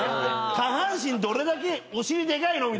下半身どれだけお尻でかいの⁉みたいな。